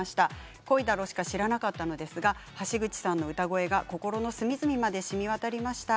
「恋だろ」しか知らなかったんですが橋口さんの歌声が、心の隅々までしみわたりました。